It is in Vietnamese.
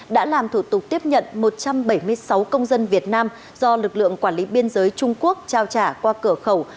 đã làm thủ tục tiếp nhận một trăm bảy mươi sáu công dân việt nam do lực lượng quản lý biên giới trung quốc trao trả qua cửa khẩu